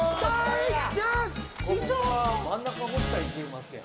真ん中ほうったらいけますやん。